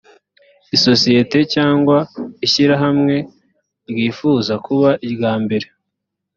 isosiyete cyangwa ishyirahamwe ryifuza kuba irya mbere